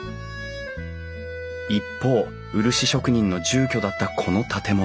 一方漆職人の住居だったこの建物。